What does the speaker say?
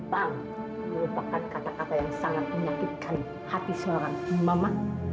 bang merupakan kata kata yang sangat menyakitkan hati seorang mama